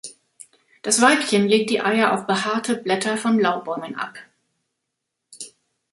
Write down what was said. Das Weibchen legt die Eier auf behaarte Blätter von Laubbäumen ab.